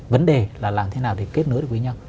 vấn đề là làm thế nào để kết nối được với nhau